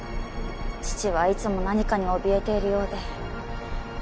父はいつも何かにおびえているようで